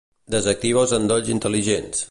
Desactiva els endolls intel·ligents.